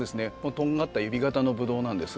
とんがった指形のブドウなんですが。